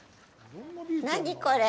何これ。